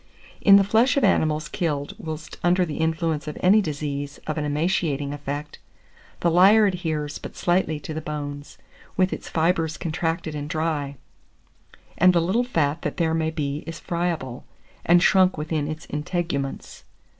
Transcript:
In the flesh of animals killed whilst under the influence of any disease of an emaciating effect, the lyer adheres but slightly to the bones, with its fibres contracted and dry; and the little fat that there may be is friable, and shrunk within its integuments.